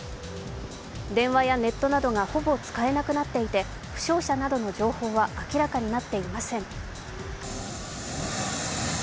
電話やネットなどが、ほぼ使えなくなっていて、負傷者などの情報は明らかになっていません。